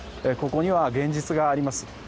ここには、現実があります。